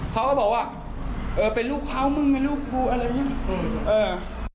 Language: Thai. เขาก็บอกว่าเป็นลูกขาวมึงลูกกูอะไรอย่างนี้